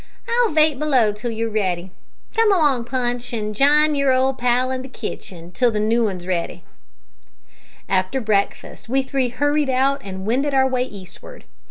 I'll vait below till you're ready. Come along, Punch, an' jine yer old pal in the kitchen till the noo 'un's ready." After breakfast we three hurried out and wended our way eastward.